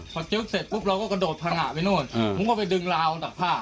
พอจึ๊บเสร็จปุ๊บเราก็กระโดดพังงะไปโน่นผมก็ไปดึงราวตักผ้า